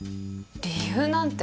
理由なんて。